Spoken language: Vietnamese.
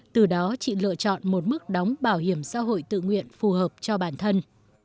từ đó chị lựa chọn một mức đóng bảo hiểm xã hội tự nguyện phù hợp cho bản thân